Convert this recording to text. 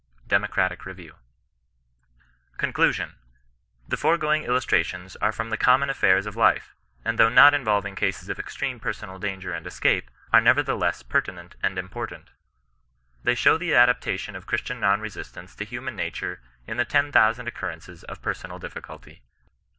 — Democratic Review, CONCLUSION. The foregoing illustrations arc from the common af fairs of life, and though not involving cases of extreme personal danger and escape, are nevertheless pertinent and important. They show the adaptation of Christian non resistance to human nature in the ten thousand occurrences of personal difficulty.